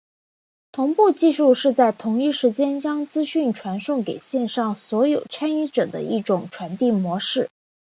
同步技术是在同一时间将资讯传送给线上所有参与者的一种传递模式。